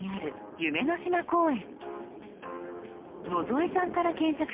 夢の島公園。